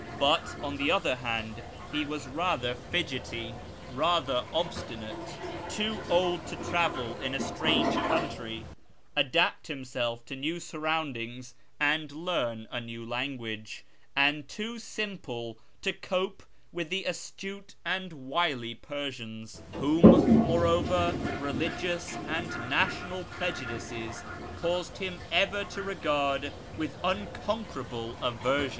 But, on the other hand, he was rather fidgety; rather obstinate ; too old to travel in a strange country, adapt himself to new sur roundings, and learn a new language ; and too simple to cope with the astute and wily Persians, whom, moreover, religious and national prejudices caused him ever to regard with uncon querable aversion.